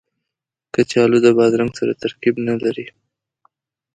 کچالو د بادرنګ سره ترکیب نه لري